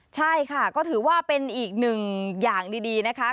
ใช่ค่ะก็ถือว่าเป็นอีกหนึ่งอย่างดีนะคะ